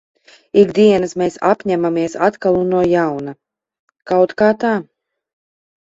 Ik dienas mēs apņemamies atkal un no jauna. Kaut kā tā.